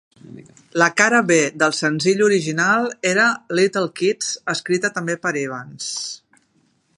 La cara B del senzill original era "Little Kids", escrita també per Evans.